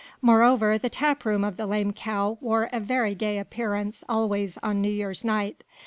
Moreover the tap room of the "Lame Cow" wore a very gay appearance always on New Year's night.